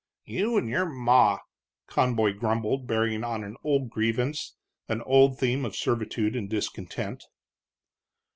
"You, and your ma!" Conboy grumbled, bearing on an old grievance, an old theme of servitude and discontent.